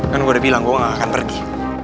kan gue udah bilang gue gak akan pergi